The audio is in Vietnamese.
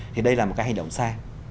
thì đây là một cái hành động sai